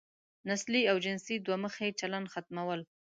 نسلي او جنسي دوه مخی چلن ختمول.